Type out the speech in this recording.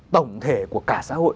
tổng thể của cả xã hội